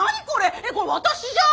えっこれ私じゃん！